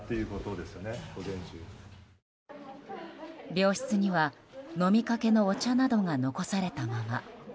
病室には飲みかけのお茶などが残されたまま。